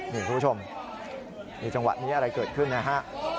นี่คุณผู้ชมนี่จังหวะนี้อะไรเกิดขึ้นนะฮะ